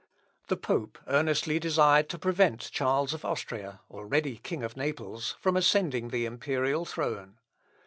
The pope earnestly desired to prevent Charles of Austria, already King of Naples, from ascending the imperial throne.